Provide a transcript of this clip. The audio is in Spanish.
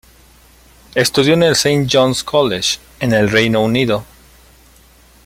Estudió en el Saint John's College, en el Reino Unido.